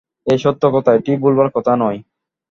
এ সত্য কথা, এটি ভোলবার কথা নয়।